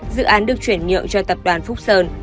dự án được chuyển nhượng cho tập đoàn phúc sơn